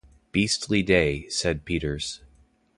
"Beastly day," said Peters.